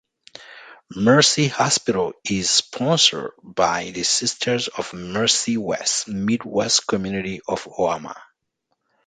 Mercy Hospital is sponsored by the Sisters of Mercy West Midwest Community of Omaha.